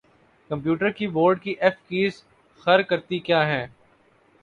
computer keyboard کی F keys خر کرتی کیا ہیں